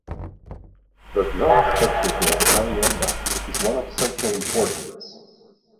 The drum such as the "karyenda" is one of central importance.